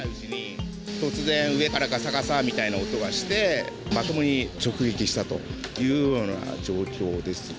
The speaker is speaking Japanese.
突然、上からがさがさみたいな音がして、まともに直撃したというような状況ですね。